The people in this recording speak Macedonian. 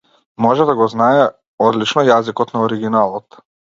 Може да го знае одлично јазикот на оригиналот.